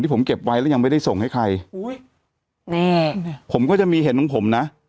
ผมเก็บไว้แล้วยังไม่ได้ส่งให้ใครอุ้ยนี่ผมก็จะมีเห็นของผมนะ